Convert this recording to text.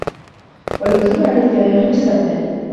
وَالْعُدُولُ عَنْ الْكَلَامِ الْمُسْتَرْذَلِ